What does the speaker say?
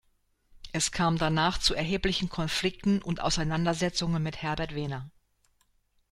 Es kam danach zu erheblichen Konflikten und Auseinandersetzungen mit Herbert Wehner.